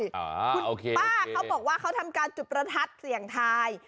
คุณโอเคป้าเขาบอกว่าเขาทำการจุดประทัดเสี่ยงทาย